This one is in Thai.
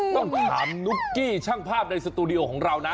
ต้องถามนุ๊กกี้ช่างภาพในสตูดิโอของเรานะ